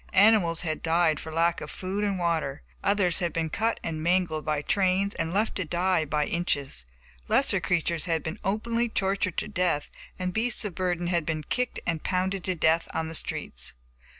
Animals had died for lack of food and water, others had been cut and mangled by trains and left to die by inches, lesser creatures had been openly tortured to death, and beasts of burden had been kicked and pounded to death on the streets.